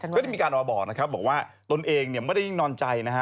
ก็ได้มีการมาบอกนะครับบอกว่าตนเองไม่ได้ยิ่งนอนใจนะฮะ